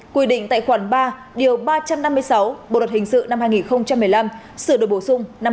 quy định tại khoản ba điều ba trăm năm mươi sáu bộ luật hình sự năm hai nghìn một mươi năm sửa đổi bổ sung năm hai nghìn một mươi bảy